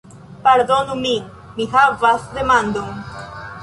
Pardonu min, mi havas demandon